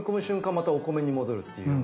またお米に戻るっていうような。